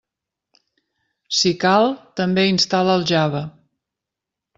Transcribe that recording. Si cal, també instal·la el Java.